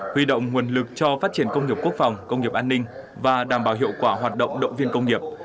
huy động nguồn lực cho phát triển công nghiệp quốc phòng công nghiệp an ninh và đảm bảo hiệu quả hoạt động động viên công nghiệp